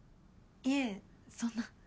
いえそんな。